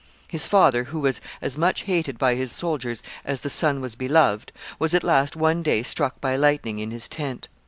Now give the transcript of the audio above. His father, who was as much hated by his soldiers as the son was beloved, was at last, one day, struck by lightning in his tent.